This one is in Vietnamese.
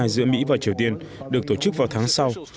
giữa mỹ và triều tiên được tổ chức vào tháng sau